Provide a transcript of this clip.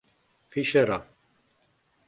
Fischera.